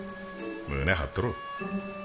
胸張ってろ。